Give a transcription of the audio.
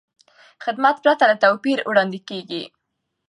خدمت پرته له توپیر وړاندې کېږي.